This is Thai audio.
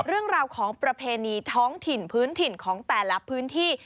เรื่องราวของประเพณีท้องถิ่นพื้นถิ่นของแต่ละพื้นที่